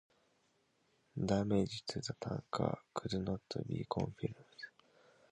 Damage to the tanker could not be confirmed.